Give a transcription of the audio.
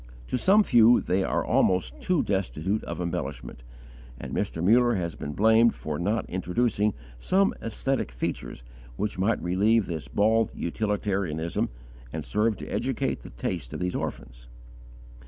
To some few, they are almost too destitute of embellishment, and Mr. Muller has been blamed for not introducing some aesthetic features which might relieve this bald utilitarianism and serve to educate the taste of these orphans.